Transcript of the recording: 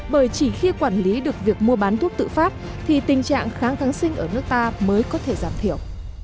bởi chỉ khi quản lý được việc mua bán thuốc tự phát thì tình trạng kháng kháng sinh ở nước ta mới có thể giảm thiểu